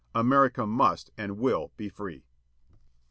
America must and will be free."